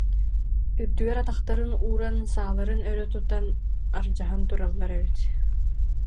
үрдүгэр атахтарын ууран, сааларын өрө тутан ардьаһан тураллар эбит